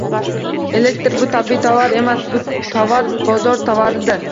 Elektr - bu tabiiy tovar emas, bu - tovar, bozor tovaridir